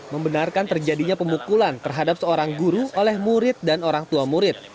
membenarkan terjadinya pemukulan terhadap seorang guru oleh murid dan orang tua murid